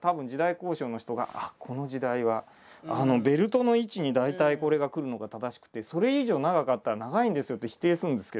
考証の人がこの時代はベルトの位置に大体これが来るのが正しくてそれ以上長かったら「長いんですよ」と否定するんですけど。